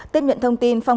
tiếp nhận thông tin